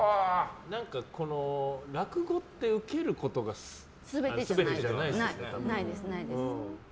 何か、落語ってウケることが全てじゃないですからね。